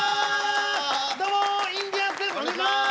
どうもインディアンスです。